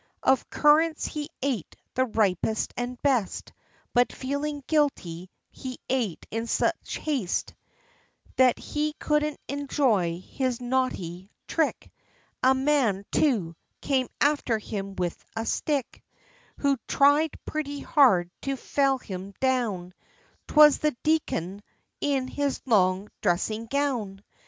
Of currants he ate the ripest and best; But feeling guilty, he ate in such haste, That he couldn't enjoy his naughty trick; A man, too, came after him with a stick, Who tried pretty hard to fell him down, — 'Twas the deacon, in his long dressing gown.